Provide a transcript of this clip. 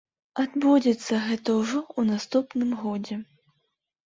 Адбудзецца гэта ўжо ў наступным годзе.